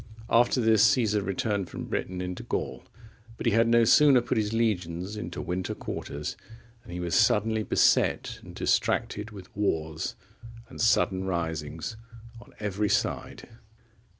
After this, Caesar returned from Britain into Gaul, but he had no sooner put his legions into winter quarters, than he was suddenly beset and distracted with wars and sudden risings on every side.